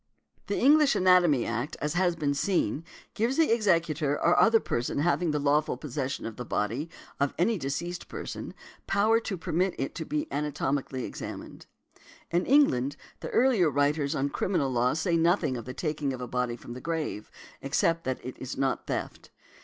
The English Anatomy Act, as has been seen, gives the executor or other person having the lawful possession of the body of any deceased person power to permit it to be anatomically examined. In England, the earlier writers on criminal law say nothing of the taking of a body from the grave, except that it is not theft.